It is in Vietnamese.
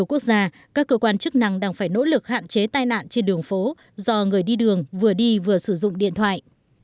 các cơ quan chức năng đang phải nỗ lực hạn chế tai nạn trên đường phố do người đi đường vừa đi vừa sử dụng điện thoại